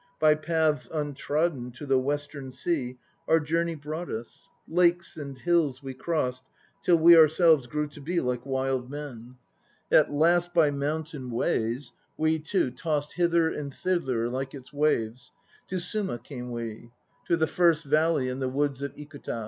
By paths untrodden To the Western Sea our journey brought us. Lakes and hills we crossed Till we ourselves grew to he like wild men. At last by mountain ways We too tossed hither and thither like its waves To Suma came we, To the First Valley and the woods of Ikuta.